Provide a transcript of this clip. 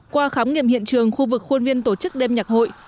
qua khám nghiệm hiện trường khu vực khuôn viên tổ chức đêm nhạc hội